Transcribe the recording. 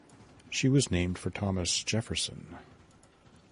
She was named for Thomas Jefferson.